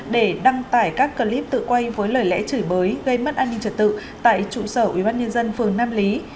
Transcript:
để đăng tải các clip tự quay với lời lẽ chửi bới gây mất an ninh trật tự tại trụ sở ubnd phường nam lý